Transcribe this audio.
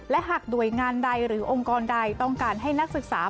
และหากหน่วยงานใดหรือองค์กรใดต้องการให้นักศึกษา